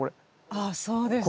ああそうですね。